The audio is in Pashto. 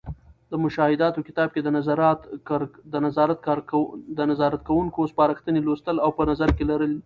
د مشاهداتو کتاب کې د نظارت کوونکو سپارښتنې لوستـل او په نظر کې لرل.